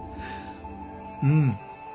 うん